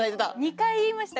２回言いました。